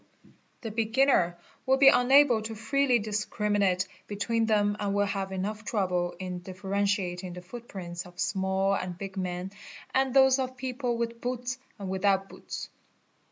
The beginner will be unable to freely discriminate between hem and will have enough trouble in differentiating the footprints of inall and big men and those of people with boots and without boots.